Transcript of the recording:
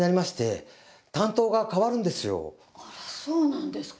あらそうなんですか。